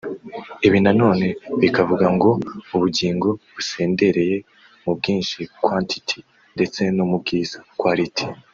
Ibi na none bikavuga ngo ubugingo busendereye mu bwinshi (quantity) ndetse no mu bwiza (quality)